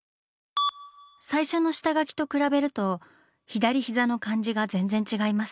最初の下描きと比べると左膝の感じが全然違います。